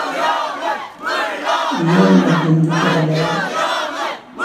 Llan medden deg uɣlad.